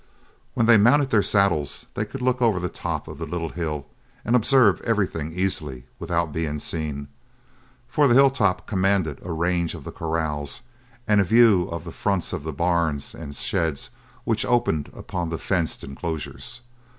When they mounted their saddles they could look over the top of the little hill and observe everything easily without being seen; for the hill top commanded a range of the corrals and a view of the fronts of the barns and sheds which opened upon the fenced enclosures.